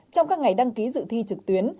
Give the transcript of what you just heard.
trong các ngày đăng ký dự thi trực tuyến